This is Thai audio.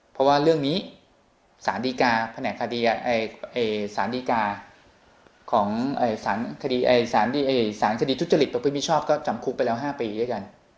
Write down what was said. เพราะว่าเรื่องนี้สารคดีทุษฎฤทธิประพธิบิชอบก็จำคุกไปแล้ว๕ปีด้วยกัน